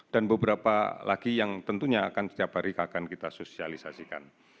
dan beberapa lagi yang tentunya akan setiap hari akan kita sosialisasikan